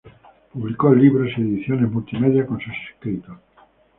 Público libros y ediciones multimedia con sus escritos.